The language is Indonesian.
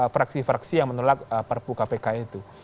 fraksi fraksi yang menolak perpu kpk itu